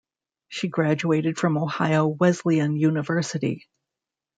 She graduated from Ohio Wesleyan University.